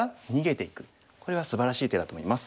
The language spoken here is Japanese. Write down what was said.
これはすばらしい手だと思います。